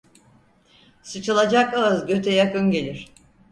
Sıçılacak ağız göte yakın gelir.